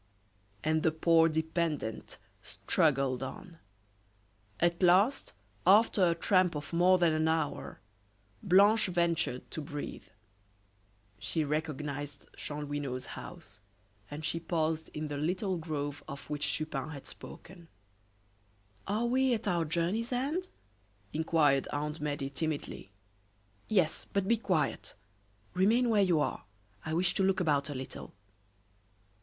And the poor dependent struggled on. At last, after a tramp of more than an hour, Blanche ventured to breathe. She recognized Chanlouineau's house, and she paused in the little grove of which Chupin had spoken. "Are we at our journey's end?" inquired Aunt Medea, timidly. "Yes, but be quiet. Remain where you are, I wish to look about a little."